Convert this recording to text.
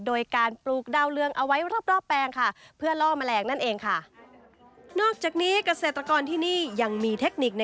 โดยการปลูกดาวเลืองเอาไว้รอบแปลงค่ะ